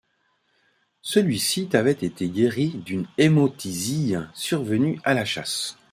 Celui-ci avait été guéri d'une hémoptysie survenue à la chasse.